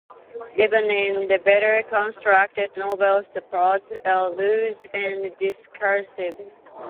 Even in the better-constructed novels the plots are loose and discursive.